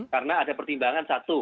karena ada pertimbangan satu